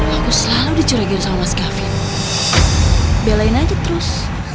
aku selalu dicurigin sama mas gavin belain aja terus